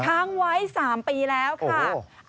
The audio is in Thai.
ค้างไว้๓ปีแล้วค่ะ